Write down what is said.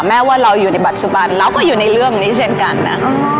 แม้ว่าเราอยู่ในปัจจุบันเราก็อยู่ในเรื่องนี้เช่นกันนะ